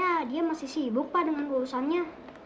ya dia masih sibuk pak dengan urusannya